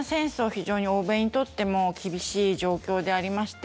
非常に欧米にとっても厳しい状況でありまして